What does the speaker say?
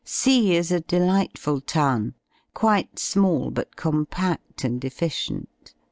C is a delightful town, quite small, but compa(5l and efficient.